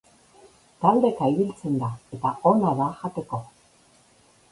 Taldeka ibiltzen da eta ona da jateko.